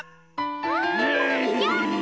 わあやった！